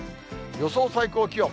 予想最高気温。